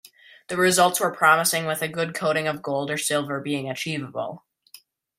The results were promising with a good coating of gold or silver being achievable.